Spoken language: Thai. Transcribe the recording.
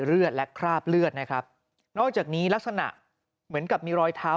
เลือดและคราบเลือดนะครับนอกจากนี้ลักษณะเหมือนกับมีรอยเท้า